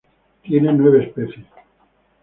Tiene nueve especies.